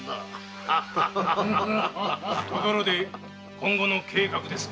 ところで今後の計画ですが。